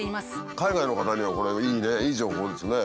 海外の方にはこれいいねいい情報ですね。